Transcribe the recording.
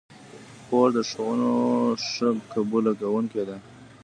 خور د ښوونو ښه قبوله کوونکې ده.